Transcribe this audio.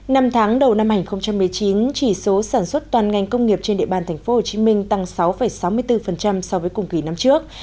năm tháng đầu năm hai nghìn một mươi chín chỉ số sản xuất toàn ngành công nghiệp trên địa bàn tp hcm tăng sáu sáu mươi bốn so với cùng kỳ năm trước